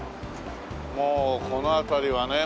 もうこの辺りはね